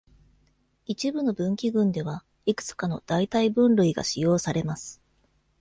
一部の分岐群では、いくつかの代替分類が使用されます。